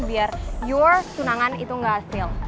biar your tunangan itu gak fail